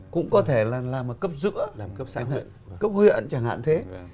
cũng có thể là làm ở cấp giữa cấp huyện chẳng hạn thế